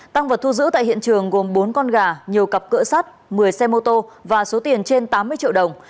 tăng vật thu giữ tại hiện trường gồm bốn con gà nhiều cặp cửa sắt một mươi xe mô tô và số tiền trên tám mươi triệu đồng